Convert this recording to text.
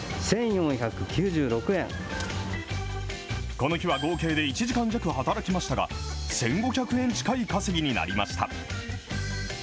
この日は合計で１時間弱働きましたが、１５００円近い稼ぎになりました。